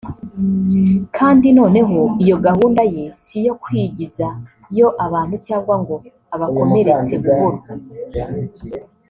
Kandi noneho iyo gahunda ye si iyo kwigiza yo abantu cyangwa ngo abakomeretse buhoro